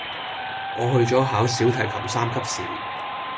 我去咗考小提琴三級試